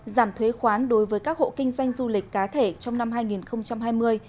giảm thuế khoán đối với các hộ kinh doanh du lịch cá thể trong năm hai nghìn hai mươi